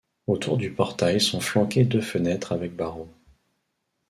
Autour du portail sont flanquées deux fenêtres avec barreaux.